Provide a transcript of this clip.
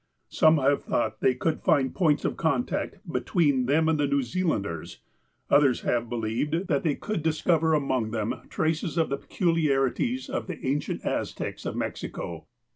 Some have thought they could find points of contact between them and the New Zealanders. Others have believed that they could discover among 61 62 THE APOSTLE OF ALASKA tliem traces of the peculiarities of the aucieut Aztecs of Mexico.